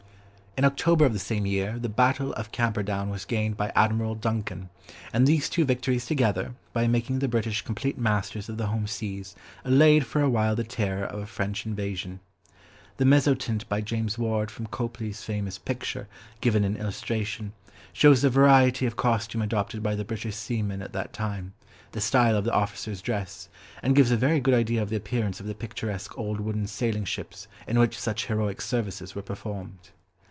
In October of the same year, the battle of Camperdown was gained by Admiral Duncan, and these two victories together, by making the British complete masters of the home seas allayed for a while the terror of a French invasion. The mezzotint by James Ward from Copley's famous picture, given in illustration, shows the variety of costume adopted by the British seamen at that time, the style of the officers' dress, and gives a very good idea of the appearance of the picturesque old wooden sailing ships in which such heroic services were performed.